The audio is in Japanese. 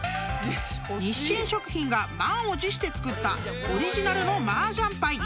［日清食品が満を持して作ったオリジナルのマージャンパイ］